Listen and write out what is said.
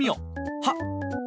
はっ。